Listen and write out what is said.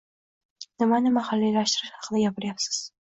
Nimani mahalliylashtirish haqida gapiryapsiz?